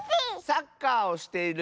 サッカーをしている。